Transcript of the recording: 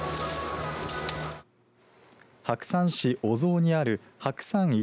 白山市尾添にある白山一